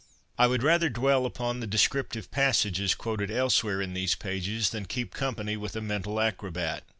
I would rather dwell upon the descriptive passages BOOKS THAT CAPTIVATE 57 quoted elsewhere in these pages than keep company with a mental acrobat.